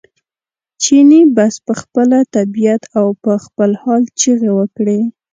چیني بس په خپله طبعیت او په خپل حال چغې وکړې.